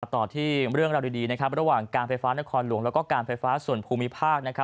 ต่อที่เรื่องราวดีระหว่างการไฟฟ้านครหลวงแล้วก็การไฟฟ้าส่วนภูมิภาค